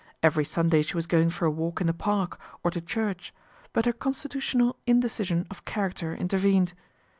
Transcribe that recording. Every Sunday she was going for a walk in the Park, or to church ; but her constitutional indecision of character intervened.